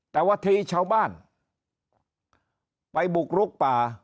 แต่ว่าทีชาวบ้านไปบุกลุกป่า